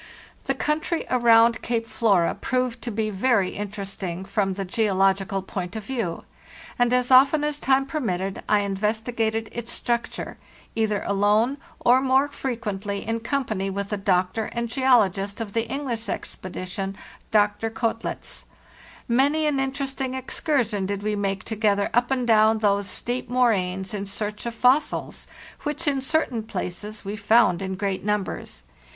The country around Cape Flora proved to be very interesting from the geological point of view, and as often as time permitted I investigated its structure, either alone, or more frequently in company with the doctor and geologist of the English expedition, Dr. Koethtz. Many an interesting excursion did we make together up and down those steep moraines in search of fossils, which in certain places we found in great numbers.